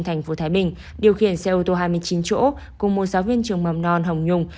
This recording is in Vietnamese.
thành phố thái bình điều khiển xe ô tô hai mươi chín chỗ cùng một giáo viên trường mầm non hồng nhung